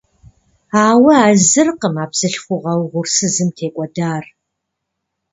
Ауэ а зыркъым а бзылъхугьэ угъурсызым текӏуэдар.